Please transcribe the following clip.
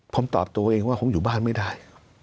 ผมตอบตัวเองว่าคงอยู่บ้านไม่ได้